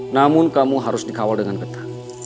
namun kamu harus dikawal dengan ketat